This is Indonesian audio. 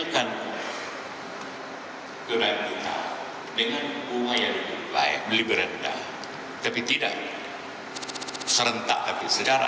karena itu yang penting bagi kita semua